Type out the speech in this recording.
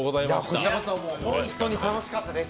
こちらこそ本当に楽しかったです！